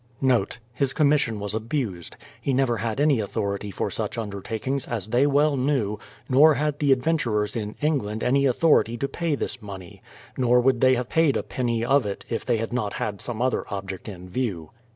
As to my writing that she *His commission was abused; he never had any authority for such undertakings, as they well knew, nor had the adventurers in England any authority to pay this money, — nor would they have paid a penny of it if they had not had some other object in view.